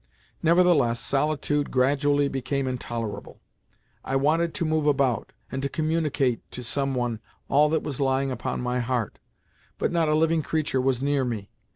Nevertheless, solitude gradually became intolerable. I wanted to move about, and to communicate to some one all that was lying upon my heart, but not a living creature was near me.